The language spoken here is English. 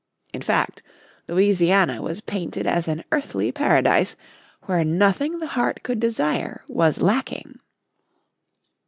In fact Louisiana was painted as an earthly paradise, where nothing the heart could desire was lacking.